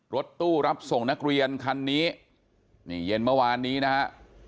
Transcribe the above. รถตู้รับส่งนักเรียนคันนี้นี่เย็นเมื่อวานนี้นะฮะ